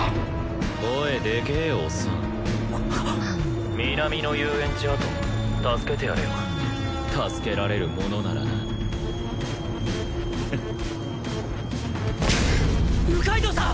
声でけえよおっさん☎南之遊園地跡助けてやれよ助けられるものならなフッ六階堂さん